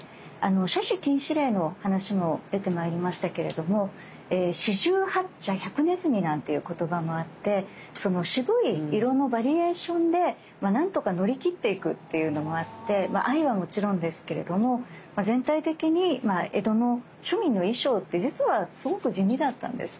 奢侈禁止令の話も出てまいりましたけれども四十八茶百鼠なんていう言葉もあって渋い色のバリエーションで何とか乗り切っていくっていうのもあって藍はもちろんですけれども全体的に江戸の庶民の衣装って実はすごく地味だったんです。